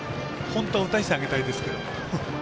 本当は打たせてあげたいですけど。